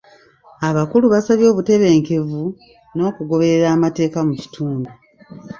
Abakulu basabye obutebenkevu n'okugoberera amateeka mu kitundu.